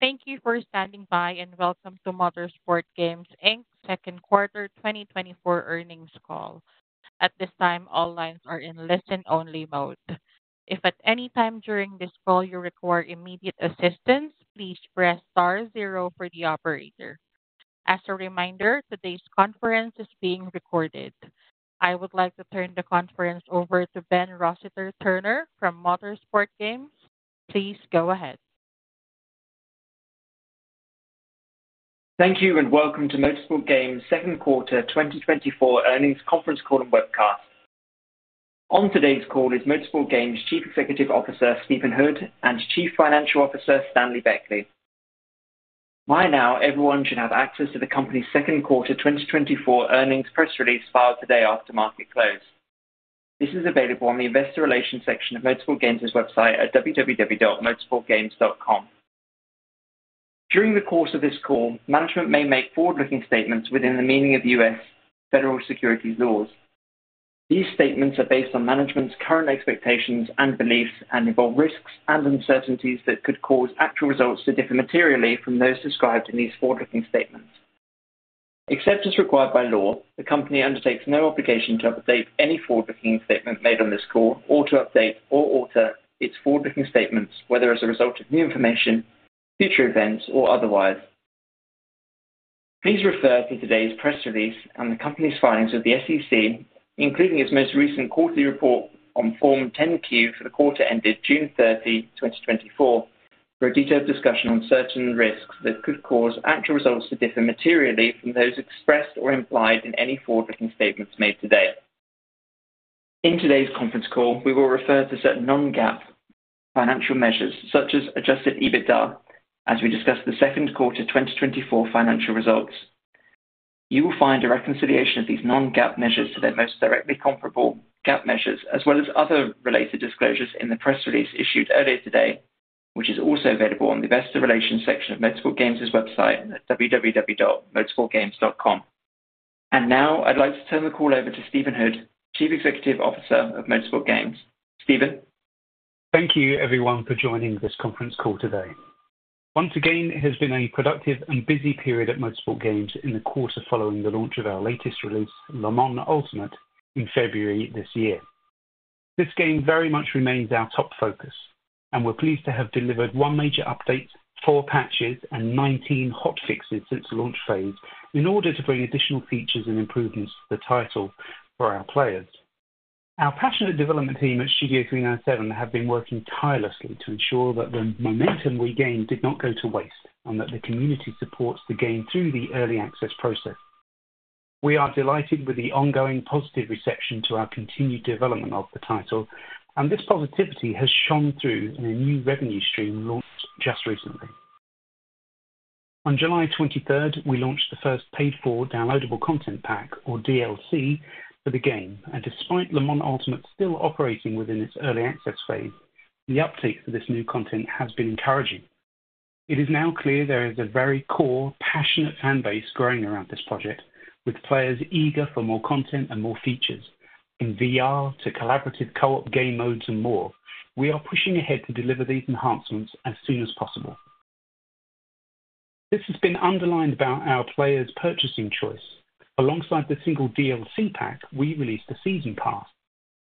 Thank you for standing by, and welcome to Motorsport Games Inc.'s Second Quarter 2024 Earnings Call. At this time, all lines are in listen-only mode. If at any time during this call you require immediate assistance, please press star zero for the operator. As a reminder, today's conference is being recorded. I would like to turn the conference over to Ben Rossiter-Turner from Motorsport Games. Please go ahead. Thank you, and welcome to Motorsport Games' Second Quarter 2024 Earnings Conference call and Webcast. On today's call is Motorsport Games' Chief Executive Officer, Stephen Hood, and Chief Financial Officer, Stanley Beckley. By now, everyone should have access to the company's second quarter 2024 earnings press release filed today after market close. This is available on the investor relations section of Motorsport Games' website at www.motorsportgames.com. During the course of this call, management may make forward-looking statements within the meaning of U.S. federal securities laws. These statements are based on management's current expectations and beliefs and involve risks and uncertainties that could cause actual results to differ materially from those described in these forward-looking statements. Except as required by law, the company undertakes no obligation to update any forward-looking statements made on this call or to update or alter its forward-looking statements, whether as a result of new information, future events, or otherwise. Please refer to today's press release and the company's filings with the SEC, including its most recent quarterly report on Form 10-Q for the quarter ended June 30, 2024, for a detailed discussion on certain risks that could cause actual results to differ materially from those expressed or implied in any forward-looking statements made today. In today's conference call, we will refer to certain non-GAAP financial measures, such as Adjusted EBITDA, as we discuss the second quarter 2024 financial results. You will find a reconciliation of these non-GAAP measures to their most directly comparable GAAP measures, as well as other related disclosures in the press release issued earlier today, which is also available on the investor relations section of Motorsport Games' website at www.motorsportgames.com. Now I'd like to turn the call over to Stephen Hood, Chief Executive Officer of Motorsport Games. Stephen? Thank you, everyone, for joining this conference call today. Once again, it has been a productive and busy period at Motorsport Games in the quarter following the launch of our latest release, Le Mans Ultimate, in February this year. This game very much remains our top focus, and we're pleased to have delivered one major update, four patches, and 19 hotfixes since the launch phase in order to bring additional features and improvements to the title for our players. Our passionate development team at Studio 397 have been working tirelessly to ensure that the momentum we gained did not go to waste and that the community supports the game through the Early Access process. We are delighted with the ongoing positive reception to our continued development of the title, and this positivity has shone through in a new revenue stream launched just recently. On July 23rd, we launched the first paid-for downloadable content pack, or DLC, for the game, and despite Le Mans Ultimate still operating within its early access phase, the uptake for this new content has been encouraging. It is now clear there is a very core, passionate fan base growing around this project, with players eager for more content and more features. In VR to collaborative co-op game modes and more, we are pushing ahead to deliver these enhancements as soon as possible. This has been underlined by our players' purchasing choice. Alongside the single DLC pack, we released a Season Pass.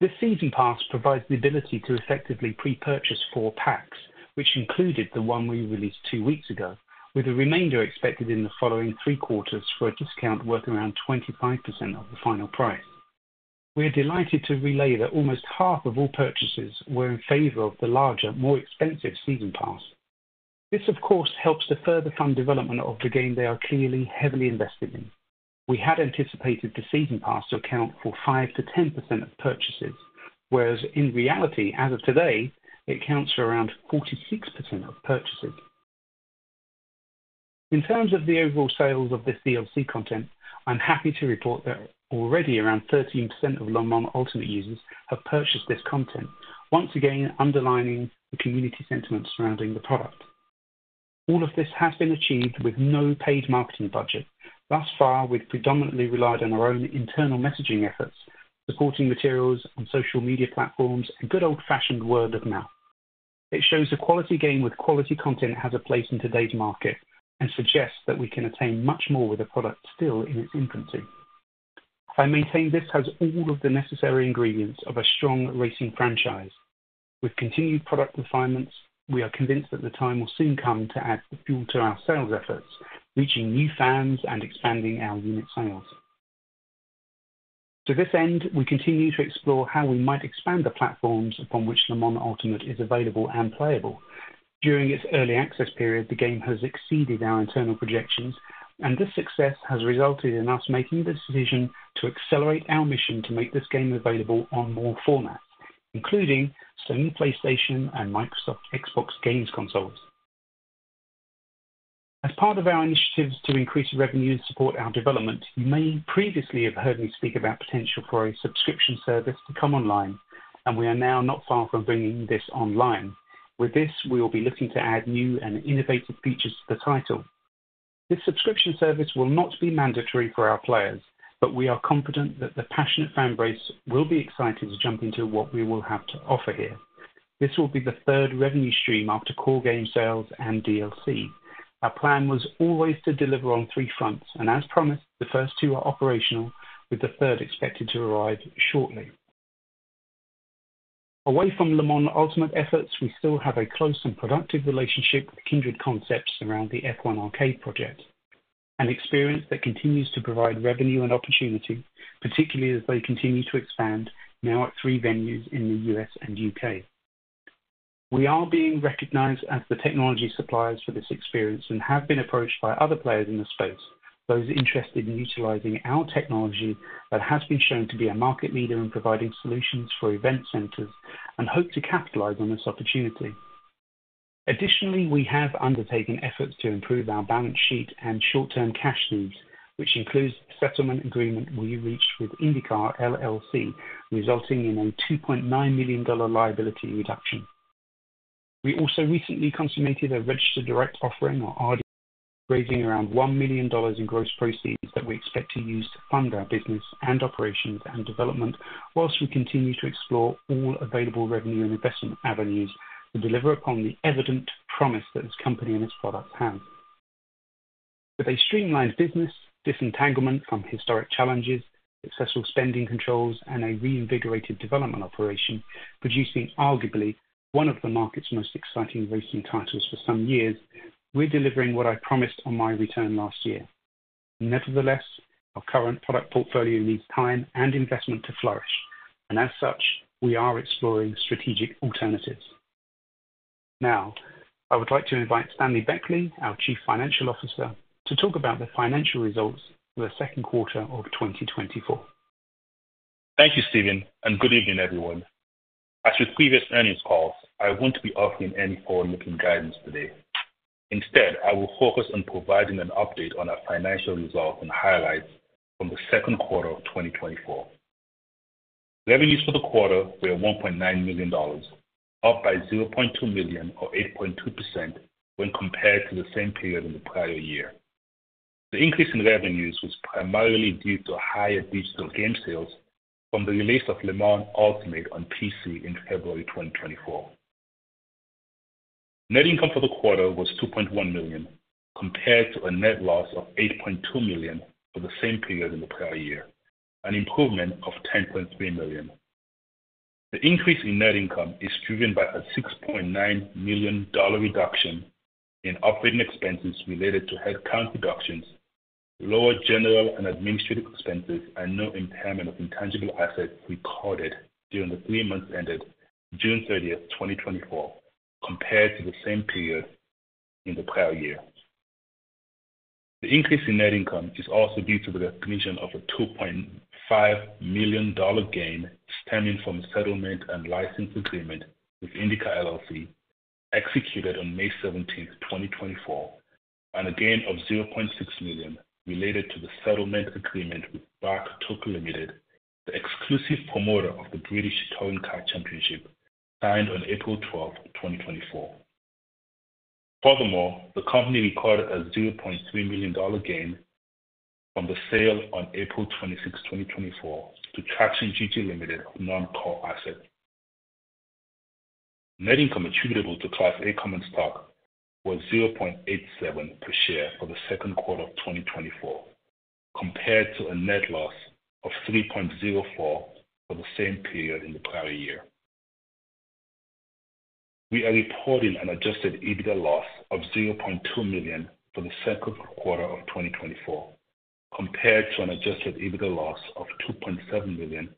This Season Pass provides the ability to effectively pre-purchase four packs, which included the one we released two weeks ago, with the remainder expected in the following three quarters for a discount worth around 25% of the final price. We are delighted to relay that almost half of all purchases were in favor of the larger, more expensive Season Pass. This, of course, helps to further fund development of the game they are clearly heavily invested in. We had anticipated the Season Pass to account for 5%-10% of purchases, whereas in reality, as of today, it accounts for around 46% of purchases. In terms of the overall sales of this DLC content, I'm happy to report that already around 13% of Le Mans Ultimate users have purchased this content, once again, underlining the community sentiment surrounding the product. All of this has been achieved with no paid marketing budget. Thus far, we've predominantly relied on our own internal messaging efforts, supporting materials on social media platforms, and good old-fashioned word of mouth. It shows a quality game with quality content has a place in today's market and suggests that we can attain much more with a product still in its infancy. I maintain this has all of the necessary ingredients of a strong racing franchise. With continued product refinements, we are convinced that the time will soon come to add fuel to our sales efforts, reaching new fans and expanding our unit sales. To this end, we continue to explore how we might expand the platforms upon which Le Mans Ultimate is available and playable. During its early access period, the game has exceeded our internal projections, and this success has resulted in us making the decision to accelerate our mission to make this game available on more formats, including Sony PlayStation and Microsoft Xbox game consoles. As part of our initiatives to increase revenue and support our development, you may previously have heard me speak about potential for a subscription service to come online, and we are now not far from bringing this online. With this, we will be looking to add new and innovative features to the title. This subscription service will not be mandatory for our players, but we are confident that the passionate fan base will be excited to jump into what we will have to offer here. This will be the third revenue stream after core game sales and DLC. Our plan was always to deliver on three fronts, and as promised, the first two are operational, with the third expected to arrive shortly. Away from Le Mans Ultimate efforts, we still have a close and productive relationship with Kindred Concepts around the F1 Arcade project, an experience that continues to provide revenue and opportunity, particularly as they continue to expand, now at three venues in the U.S. and U.K. We are being recognized as the technology suppliers for this experience and have been approached by other players in the space, those interested in utilizing our technology that has been shown to be a market leader in providing solutions for event centers and hope to capitalize on this opportunity. Additionally, we have undertaken efforts to improve our balance sheet and short-term cash needs, which includes the settlement agreement we reached with INDYCAR LLC, resulting in a $2.9 million liability reduction. We also recently consummated a registered direct offering, or RDO, raising around $1 million in gross proceeds that we expect to use to fund our business and operations and development, while we continue to explore all available revenue and investment avenues to deliver upon the evident promise that this company and its products have. With a streamlined business, disentanglement from historic challenges, successful spending controls, and a reinvigorated development operation, producing arguably one of the market's most exciting racing titles for some years, we're delivering what I promised on my return last year. Nevertheless, our current product portfolio needs time and investment to flourish, and as such, we are exploring strategic alternatives. Now, I would like to invite Stanley Beckley, our Chief Financial Officer, to talk about the financial results for the second quarter of 2024. Thank you, Stephen, and good evening, everyone. As with previous earnings calls, I won't be offering any forward-looking guidance today. Instead, I will focus on providing an update on our financial results and highlights from the second quarter of 2024. Revenues for the quarter were $1.9 million, up by $0.2 million, or 8.2%, when compared to the same period in the prior year. The increase in revenues was primarily due to higher digital game sales from the release of Le Mans Ultimate on PC in February 2024. Net income for the quarter was $2.1 million, compared to a net loss of $8.2 million for the same period in the prior year, an improvement of $10.3 million. The increase in net income is driven by a $6.9 million reduction in operating expenses related to headcount reductions, lower general and administrative expenses, and no impairment of intangible assets recorded during the three months ended June 30th, 2024, compared to the same period in the prior year. The increase in net income is also due to the recognition of a $2.5 million gain stemming from a settlement and license agreement with INDYCAR LLC, executed on May 17th, 2024, and a gain of $0.6 million related to the settlement agreement with BARC (TOCA) Limited, the exclusive promoter of the British Touring Car Championship, signed on April 12, 2024. Furthermore, the company recorded a $0.3 million gain on the sale on April 26, 2024, to Traxion.GG Limited, a non-core asset. Net income attributable to Class A Common Stock was $0.87 per share for the second quarter of 2024, compared to a net loss of $3.04 for the same period in the prior year. We are reporting an Adjusted EBITDA loss of $0.2 million for the second quarter of 2024, compared to an Adjusted EBITDA loss of $2.7 million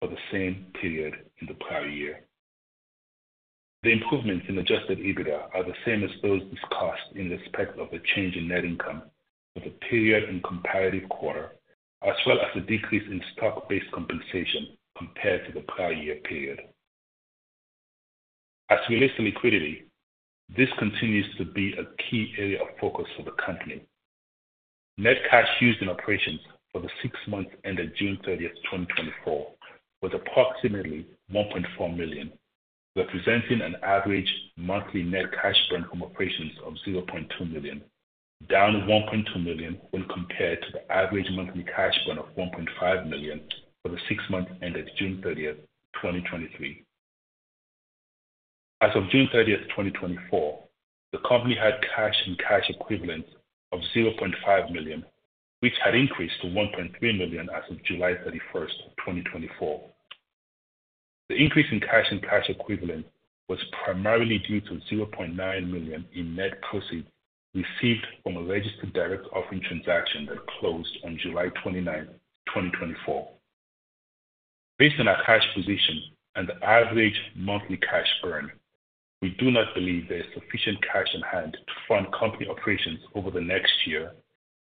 for the same period in the prior year. The improvements in Adjusted EBITDA are the same as those discussed in respect of the change in net income for the period and comparative quarter, as well as the decrease in stock-based compensation compared to the prior year period. As we assess liquidity, this continues to be a key area of focus for the company. Net cash used in operations for the six months ended June 30th, 2024, was approximately $1.4 million, representing an average monthly net cash burn from operations of $0.2 million, down $1.2 million when compared to the average monthly cash burn of $1.5 million for the six months ended June 30th, 2023. As of June 30th, 2024, the company had cash and cash equivalents of $0.5 million, which had increased to $1.3 million as of July 31st, 2024. The increase in cash and cash equivalents was primarily due to $0.9 million in net proceeds received from a registered direct offering transaction that closed on July 29th, 2024. Based on our cash position and the average monthly cash burn, we do not believe there is sufficient cash on hand to fund company operations over the next year,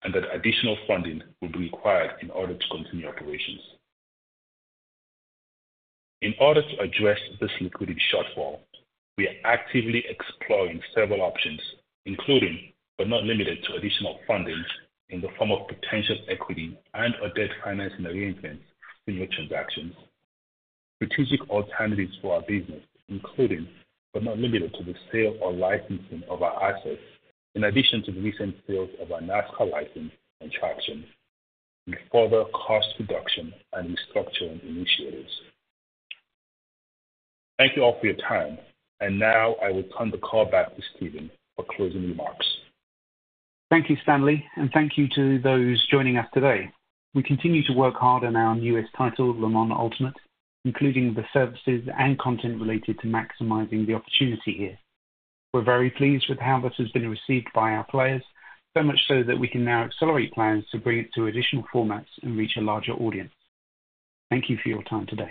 and that additional funding will be required in order to continue operations. In order to address this liquidity shortfall, we are actively exploring several options, including, but not limited to, additional fundings in the form of potential equity and/or debt financing arrangements M&A transactions, strategic alternatives for our business, including, but not limited to, the sale or licensing of our assets, in addition to the recent sales of our NASCAR license and Traxion, and further cost reduction and restructuring initiatives. Thank you all for your time, and now I will turn the call back to Stephen for closing remarks. Thank you, Stanley, and thank you to those joining us today. We continue to work hard on our newest title, Le Mans Ultimate, including the services and content related to maximizing the opportunity here. We're very pleased with how this has been received by our players, so much so that we can now accelerate plans to bring it to additional formats and reach a larger audience. Thank you for your time today.